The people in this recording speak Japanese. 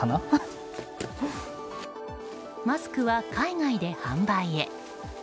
マスクは海外で販売へ。